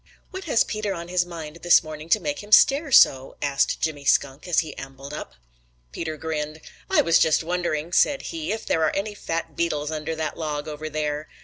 "What has Peter on his mind this morning to make him stare so?" asked Jimmy Skunk as he ambled up. Peter grinned. "I was just wondering," said he, "if there are any fat beetles under that log over there.